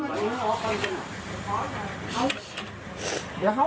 ยายถามนิ่งแต่เจ็บลึกถึงใจนะ